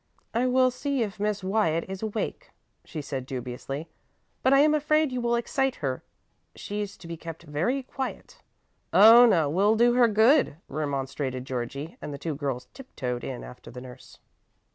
"I will see if Miss Wyatt is awake," she said dubiously, "but I am afraid you will excite her; she's to be kept very quiet." "Oh, no; we'll do her good," remonstrated Georgie; and the two girls tiptoed in after the nurse.